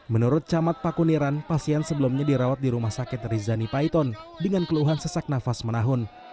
menurut camat pakuniran pasien sebelumnya dirawat di rumah sakit rizani paiton dengan keluhan sesak nafas menahun